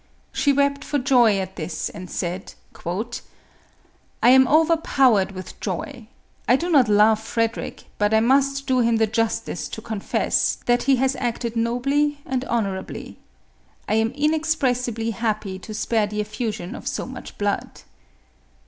She wept for joy at this, and said, " I am overpowered MARIA THERESA. 217 with joy ! I do not love Frederic, but I must do him the justice to confess that he has acted nobly and hon orably. I am inexpressibly happy to spare the effusion of so much blood